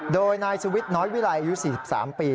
โดยนายสุวิทย์น้อยวิรัยอายุ๔๓ปี